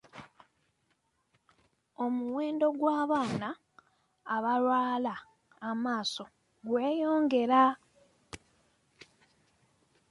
Omuwendo gw'abaana abalwala amaaso gweyongera.